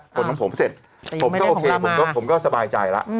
ผลของผมเสร็จผมก็โอเคผมก็สบายใจแล้ว